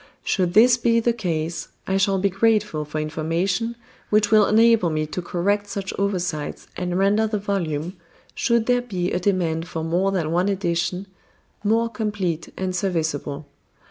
Should this be the case, I shall be grateful for information which will enable me to correct such oversights and render the volume, should there be a demand for more than one edition, more complete and serviceable.